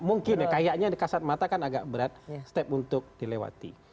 mungkin ya kayaknya di kasat mata kan agak berat step untuk dilewati